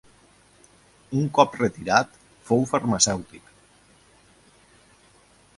Un cop retirat fou farmacèutic.